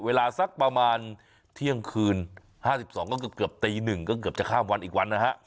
เวลาสักประมาณเที่ยงคืน๕๒ก็เกือบตี๑ก็เกือบจะข้ามวันอีกวันนะฮะ